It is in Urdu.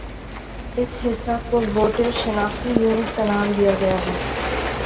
اس حصہ کو ووٹر شناختی یونٹ کا نام دیا گیا ہے